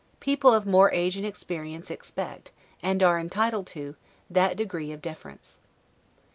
People of more age and experience expect, and are entitled to, that degree of deference.